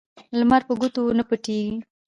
لمر په دوو ګوتو نه پوټیږی.